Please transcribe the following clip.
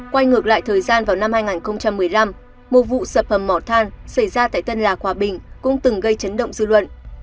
quay ngược lại thời gian vào năm hai nghìn một mươi năm một vụ sập hầm mỏ than xảy ra tại tân lạc hòa bình cũng từng gây chấn động dư luận